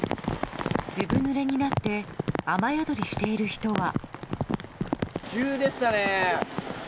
ずぶぬれになって雨宿りしている人は。